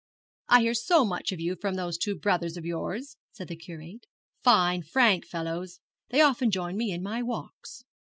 'I hear so much of you from those two brothers of yours,' said the Curate 'fine, frank fellows. They often join me in my walks.'